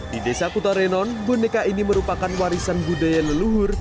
di desa kutarenon boneka ini merupakan warisan budaya leluhur